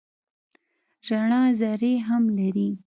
رڼا ذرې هم لري.